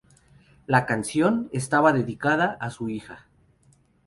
La canción estaba dedicada a su hija.